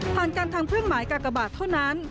การทำเครื่องหมายกากบาทเท่านั้น